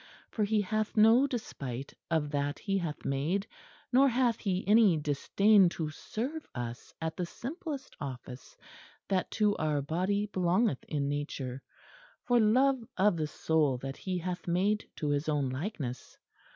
For he hath no despite of that He hath made, nor hath He any disdain to serve us at the simplest office that to our body belongeth in nature, for love of the soul that He hath made to His own likeness.